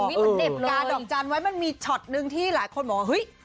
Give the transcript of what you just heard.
เหมือนเด็บกาดอกจันไว้มันมีช็อตหนึ่งที่หลายคนบอกว่า